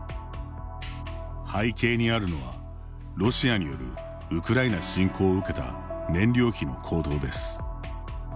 背景にあるのは、ロシアによるウクライナ侵攻を受けた燃料費の高騰です。